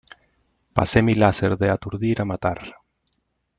Pasé mi láser de aturdir a matar .